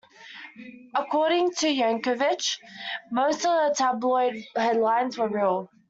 According to Yankovic, most of the tabloid headlines were real.